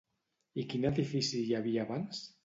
I quin edifici hi havia abans?